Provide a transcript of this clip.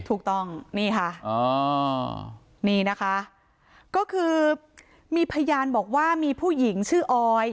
ถูกต้องนี่ค่ะนี่นะคะก็คือมีพยานบอกว่ามีผู้หญิงชื่อออย